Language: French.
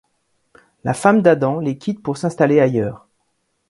La femme d'Adam les quitte pour s'installer ailleurs.